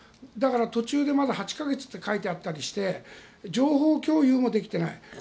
だから途中でまだ８か月って書いてあったりして情報共有もできていない。